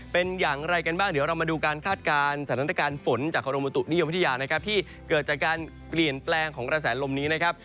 เป็นอย่างไรกันบ้างเดี๋ยวเรามาดูการคาดการณ์สถานการณ์ฝนจากกรมบุตุนิยมวิทยานะครับที่เกิดจากการเปลี่ยนแปลงของกระแสลมนี้นะครับ